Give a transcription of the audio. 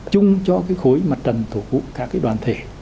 chung cho cái khối mặt trần tổ cụ các cái đoàn thể